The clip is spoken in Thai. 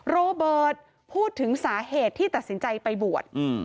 โรเบิร์ตพูดถึงสาเหตุที่ตัดสินใจไปบวช